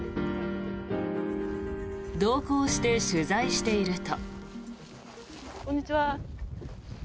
同行して取材していると。